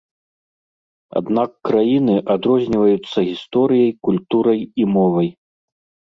Аднак краіны адрозніваюцца гісторыяй, культурай і мовай.